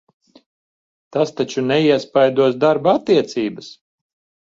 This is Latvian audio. Tas taču neiespaidos darba attiecības?